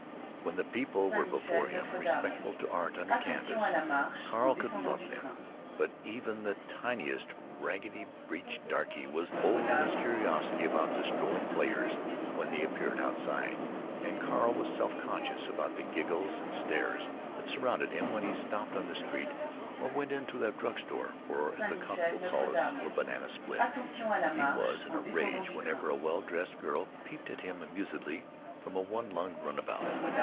When the people were before him, respectful to art under canvas, Carl could love them; but even the tiniest ragged breeched darky was bold in his curiosity about the strolling players when they appeared outside, and Carl was self conscious about the giggles and stares that surrounded him when he stopped on the street or went into a drug store for the comfortable solace of a banana split. He was in a rage whenever a well dressed girl peeped at him amusedly from a one lunged runabout.